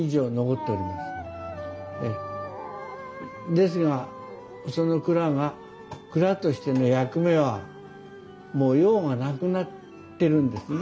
ですがその蔵が蔵としての役目はもう用がなくなってるんですね。